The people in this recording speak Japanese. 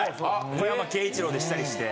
「小山慶一郎」でしたりして。